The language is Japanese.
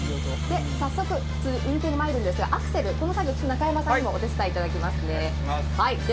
早速、次に運転にいくんですが、アクセルの作業は中山さんにもお手伝いいただきますね。